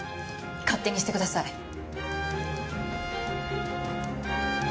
勝手にしてください。